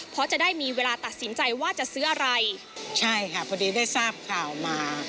เพราะจะได้มีเวลาตัดสินใจว่าจะซื้ออะไรใช่ค่ะพอดีได้ทราบข่าวมา